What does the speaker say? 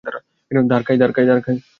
ধর, কাই!